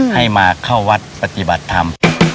ให้มาเข้าวัดปฏิบัติธรรม